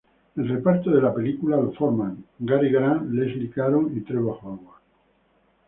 El reparto de la película lo forman Cary Grant, Leslie Caron y Trevor Howard.